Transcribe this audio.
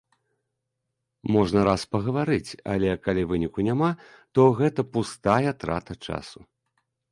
Можна раз пагаварыць, але калі выніку няма, то гэта пустая трата часу.